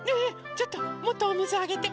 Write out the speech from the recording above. ちょっともっとおみずあげて。